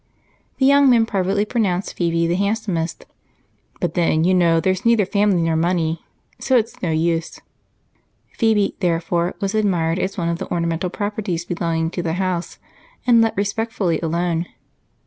The young men privately pronounced Phebe the handsomest "But then you know there's neither family nor money, so it's no use." Phebe, therefore, was admired as one of the ornamental properties belonging to the house and left respectfully alone.